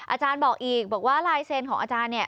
อาจารย์บอกอีกบอกว่าลายเซ็นต์ของอาจารย์เนี่ย